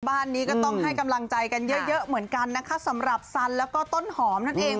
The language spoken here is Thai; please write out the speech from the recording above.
บ้านนี้ก็ต้องให้กำลังใจกันเยอะเยอะเหมือนกันนะคะสำหรับสันแล้วก็ต้นหอมนั่นเอง